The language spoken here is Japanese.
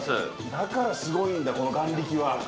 だから、すごいんだ、この眼力は。